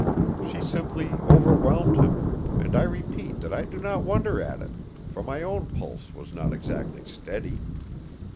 She simply overwhelmed him, and I repeat that I do not wonder at it, for my own pulse was not exactly steady.